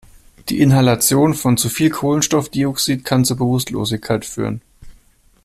Die Inhalation von zu viel Kohlenstoffdioxid kann zur Bewusstlosigkeit führen.